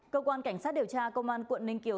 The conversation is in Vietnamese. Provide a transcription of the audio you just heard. cơ quan cảnh sát điều tra công an quận ninh kiều